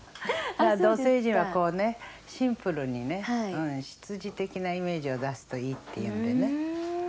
土星人はシンプルにね、ひつじ的なイメージを出すといいっていうんでね。